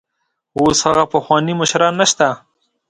اوس هغه پخواني مشران نشته.